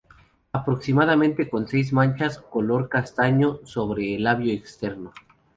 Aproximadamente con seis manchas color castaño sobre el labio externo.